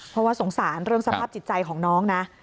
เพราะว่าสงสารเรื่องสภาพจิตใจของน้องนะ